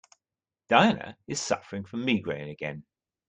Diana is suffering from migraine again.